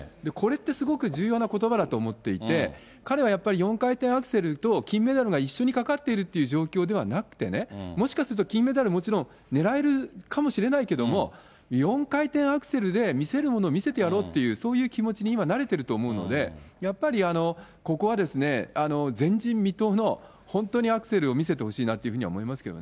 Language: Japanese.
これってすごく重要なことばだと思っていて、彼はやっぱり４回転アクセルと金メダルが一緒にかかっているって状況ではなくてね、もしかすると金メダル、もちろん狙えるかもしれないけども、４回転アクセルで見せるものを見せてやろうっていうそういう気持ちに今、なれてると思うんで、やっぱりここは、前人未到の本当にアクセルを見せてほしいなというふうに思います